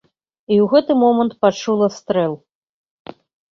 І ў гэты момант пачула стрэл.